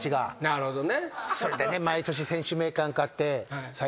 なるほどね。